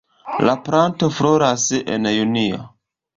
La planto floras en junio.